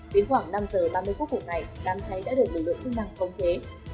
đến khoảng năm h ba mươi cuối cùng này đám cháy đã được lực lượng chức năng công chế